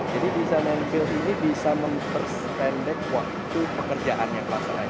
jadi design and build ini bisa mempersependek waktu pekerjaannya pelaksanaan